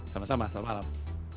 sama sama selamat malam